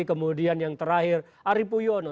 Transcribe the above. kemudian yang terakhir arief puyoono